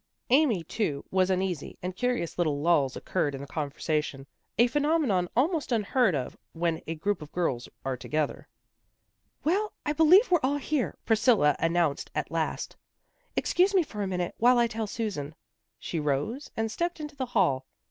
Amy, too, was uneasy, and curious little lulls occurred in the conversation, a phenomenon almost unheard of when a group of girls are together. " Well, I believe we're all here," Priscilla announced at last. " Excuse me for a minute, while I tell Susan." She rose and stepped into the hall.